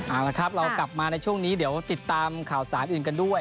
เอาละครับเรากลับมาในช่วงนี้เดี๋ยวติดตามข่าวสารอื่นกันด้วย